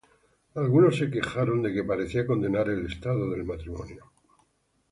Algunos se quejaron de que parecía condenar el estado del matrimonio.